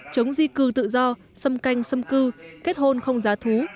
chống di cư tự do xâm canh xâm cư kết hôn không giá thú